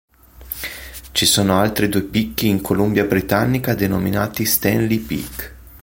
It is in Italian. Ci sono altri due picchi in Columbia Britannica denominati "Stanley Peak".